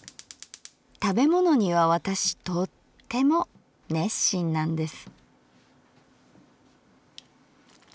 食べ物には私とっても熱心なんです」。